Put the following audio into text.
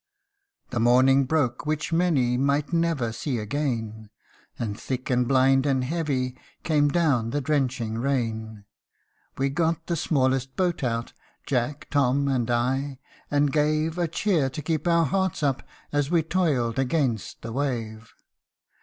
The morning broke which many Might never see again, And thick and blind and heavy Came down the drenching rain : We got the smallest boat out, Jack, Tom, and I, and gave A cheer to keep our hearts up, As we toiled against the wave.